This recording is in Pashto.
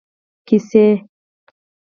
کیسۍ